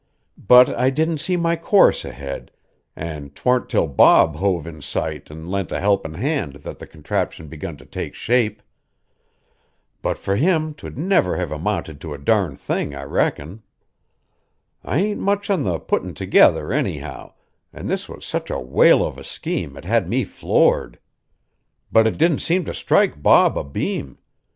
But I didn't see my course ahead, an' 'twarn't 'til Bob hove in sight an' lent a helpin' hand that the contraption begun to take shape. But for him 'twould never have amounted to a darn thing, I reckon. I ain't much on the puttin' together, anyhow, an' this was such a whale of a scheme it had me floored. But it didn't seem to strike Bob abeam.